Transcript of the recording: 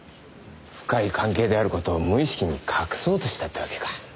深い関係である事を無意識に隠そうとしたってわけか。